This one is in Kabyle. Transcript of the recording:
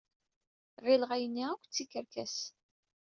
Ɣileɣ ayenni akk d tikerkas.